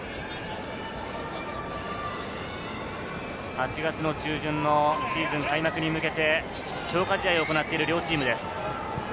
８月の中旬のシーズン開幕に向けて強化試合を行っている両チームです。